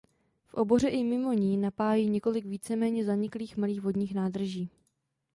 V oboře i mimo ní napájí několik víceméně zaniklých malých vodních nádrží.